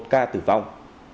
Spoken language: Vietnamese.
một ca tử vong